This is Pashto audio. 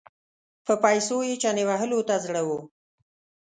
په پیسو یې چنې وهلو ته زړه و.